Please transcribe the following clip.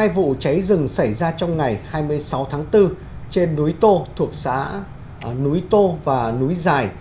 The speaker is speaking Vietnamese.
hai vụ cháy rừng xảy ra trong ngày hai mươi sáu tháng bốn trên núi tô thuộc xã núi tô và núi dài